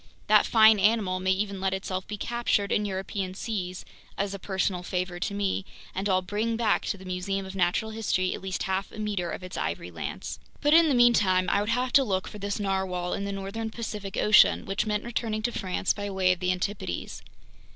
That fine animal may even let itself be captured in European seas—as a personal favor to me—and I'll bring back to the Museum of Natural History at least half a meter of its ivory lance!" But in the meantime I would have to look for this narwhale in the northern Pacific Ocean; which meant returning to France by way of the Antipodes.